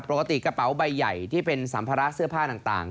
กระเป๋าใบใหญ่ที่เป็นสัมภาระเสื้อผ้าต่าง